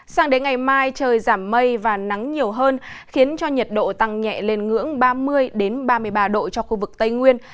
sang đến ngày mai trời giảm mây và nắng nhiều hơn khiến cho nhiệt độ tăng nhẹ lên ngưỡng ba mươi ba mươi ba độ cho khu vực tây nguyên